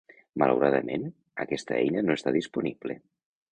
Malauradament, aquesta eina no està disponible.